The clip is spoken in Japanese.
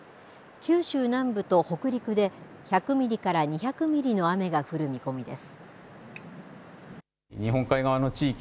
九州南部と北陸で１００ミリから２００ミリの雨が降る見込みです。